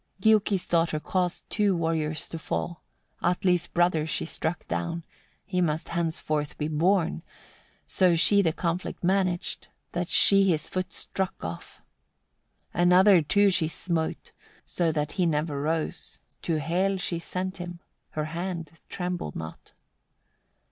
48. Giuki's daughter caused two warriors to fall; Atli's brother she struck down, he must henceforth be borne so she the conflict managed, that she his foot struck off. Another too she smote, so that he never rose, to Hel she sent him: her hand trembled not.